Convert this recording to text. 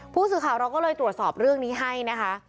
ผู้สื่อข่าวเราก็เลยตรวจสอบเรื่องนี้ให้นะคะ